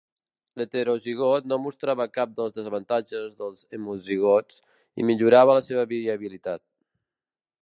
L'heterozigot no mostrava cap dels desavantatges dels homozigots, i millorava la seva viabilitat.